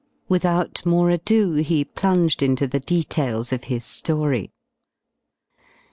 Without more ado he plunged into the details of his story.